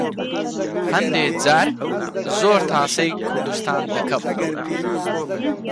هەندێ جار زۆر تاسەی کوردستان دەکەم.